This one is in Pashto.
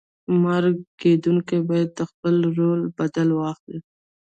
مرکه کېدونکی باید د خپل رول بدل واخلي.